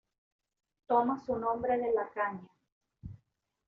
Toma su nombre de la caña.